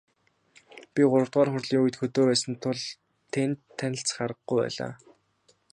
Би гуравдугаар хурлын үед хөдөө байсан тул тэнд танилцах аргагүй байлаа.